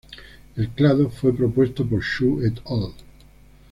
El clado fue propuesto por Xu "et al.